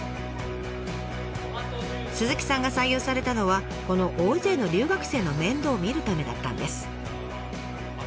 鈴木さんが採用されたのはこの大勢の留学生の面倒を見るためだったんです。